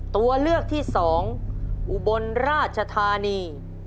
ตัวเลือกที่สองอุบลราชธานี